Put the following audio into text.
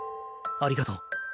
ありがとう。